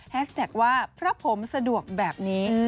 แท็กว่าเพราะผมสะดวกแบบนี้